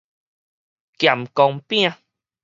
鹹光餅